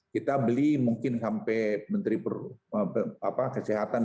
pilih mungkin sampai menteri kesehatan